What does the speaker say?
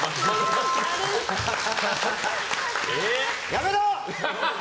やめろ！